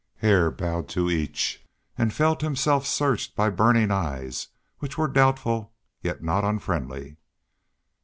Hare bowed to each and felt himself searched by burning eyes, which were doubtful, yet not unfriendly.